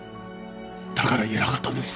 だから言えなかったんです。